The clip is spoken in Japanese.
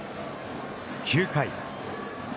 ９回。